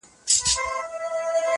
قلندر پر کرامت باندي پښېمان سو٫